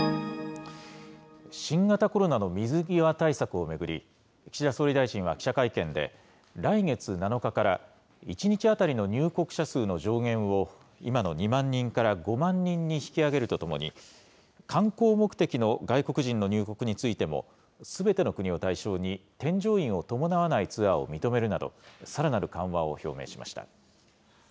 新型コロナの水際対策を巡り、岸田総理大臣は記者会見で、来月７日から、１日当たりの入国者数の上限を、今の２万人から５万人に引き上げるとともに、観光目的の外国人の入国についても、すべての国を対象に、添乗員を伴わないツアーを認めるなど、さらなる緩和を表明しました。